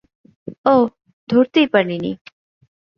ও, ধরতেই পারিনি।